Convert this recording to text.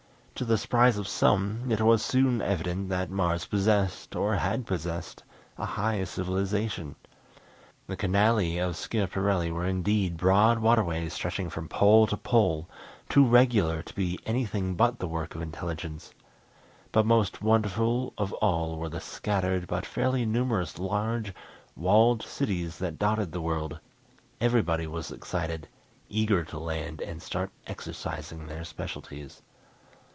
To the surprise of some, it was soon evident that Mars possessed, or had possessed, a high civilization. The canali of Schiaparelli were indeed broad waterways stretching from pole to pole, too regular to be anything but the work of intelligence. But most wonderful of all were the scattered, but fairly numerous large, walled cities that dotted the world. Everybody was excited, eager to land and start exercising their specialties.